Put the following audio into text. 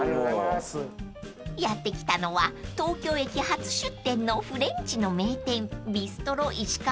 ［やって来たのは東京駅初出店のフレンチの名店］